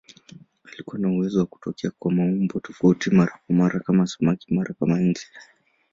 Alikuwa na uwezo wa kutokea kwa maumbo tofautitofauti, mara kama samaki, mara kama nzi.